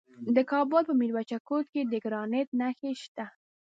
د کابل په میربچه کوټ کې د ګرانیټ نښې شته.